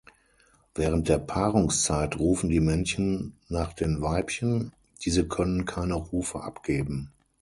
Während der Paarungszeit rufen die Männchen nach den Weibchen, diese können keine Rufe abgeben.